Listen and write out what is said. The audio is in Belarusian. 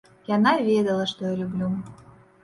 Яна ведала, што я люблю.